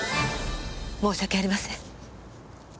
申し訳ありません。